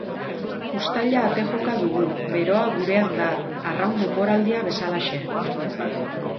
Uztaila ate joka dugu, beroa gurean da, arraun denboraldia bezalaxe.